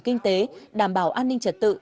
kinh tế đảm bảo an ninh trật tự